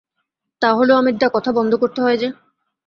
তা হলে অমিতদা, কথা বন্ধ করতে হয় যে।